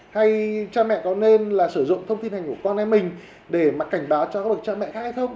hay cha mẹ có nên là sử dụng thông tin thành của con em mình để mà cảnh báo cho các bậc cha mẹ khác hay không